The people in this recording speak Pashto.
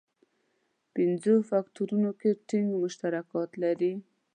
پنځو فکټورونو کې ټینګ مشترکات لري.